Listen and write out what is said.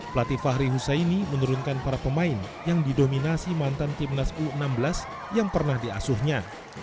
pelatih fahri husaini menurunkan para pemain yang didominasi mantan timnas u enam belas yang pernah diasuhnya